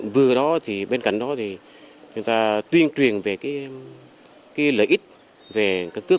vừa đó thì bên cạnh đó thì chúng ta tuyên truyền về lợi ích về cướp công dân